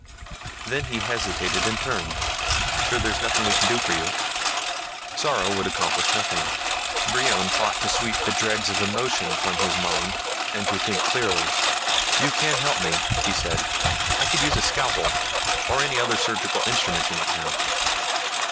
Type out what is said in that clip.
Then he hesitated and turned. "Sure there's nothing we can do for you?" Sorrow would accomplish nothing. Brion fought to sweep the dregs of emotion from his mind and to think clearly. "You can help me," he said. "I could use a scalpel or any other surgical instrument you might have."